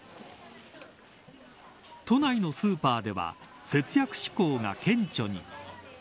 都内のスーパーでは節約志向が顕著に。